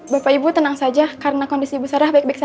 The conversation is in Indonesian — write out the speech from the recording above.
bapak ibu tenang saja karena kondisi ibu sarah baik baik saja